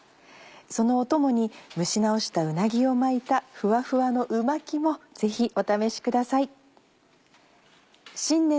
そのお供に蒸し直したうなぎを巻いたふわふわの「う巻き」もぜひお試しください。